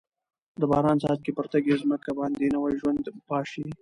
د باران څاڅکي پر تږې ځمکه باندې نوي ژوند پاشي.